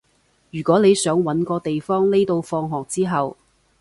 如果你想搵個地方匿到放學之後